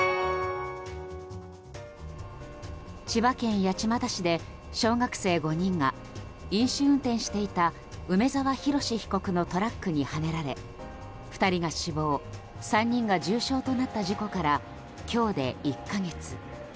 千葉県八街市で小学生５人が飲酒運転していた梅沢洋被告のトラックにはねられ２人が死亡、３人が重傷となった事故から今日で１か月。